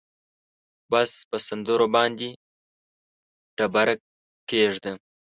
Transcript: بس په سندرو باندې تیږه کېږده